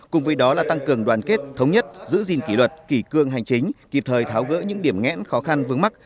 cùng với đó là tăng cường đoàn kết thống nhất giữ gìn kỷ luật kỷ cương hành chính kịp thời tháo gỡ những điểm ngẽn khó khăn vướng mắt